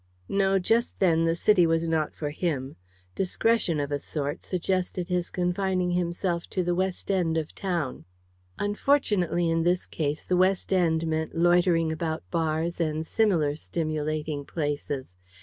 No, just then the City was not for him. Discretion, of a sort, suggested his confining himself to the West end of town. Unfortunately, in this case, the West end meant loitering about bars and similar stimulating places.